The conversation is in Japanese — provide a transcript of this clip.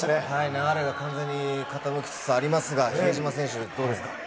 流れが完全に傾きつつありますが比江島選手、どうですか？